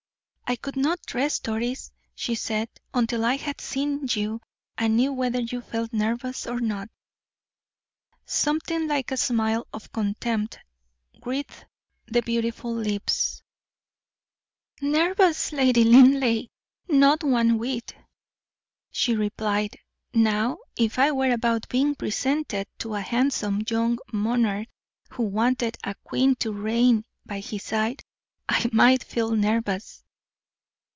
"I could not rest, Doris," she said, "until I had seen you, and knew whether you felt nervous or not." Something like a smile of contempt wreathed the beautiful lips. "Nervous, Lady Linleigh! not one whit," she replied. "Now, if I were about being presented to a handsome young monarch, who wanted a queen to reign by his side, I might feel nervous."